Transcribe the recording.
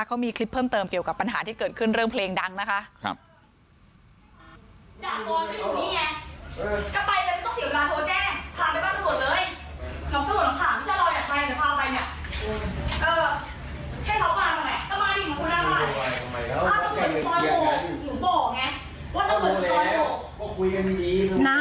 เขามีคลิปเพิ่มเติมเกี่ยวกับปัญหาที่เกิดขึ้นเรื่องเพลงดังนะคะ